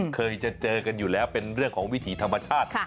เคยจะเจอกันอยู่แล้วเป็นเรื่องของวิถีธรรมชาติ